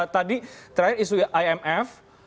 tadi terakhir isu imf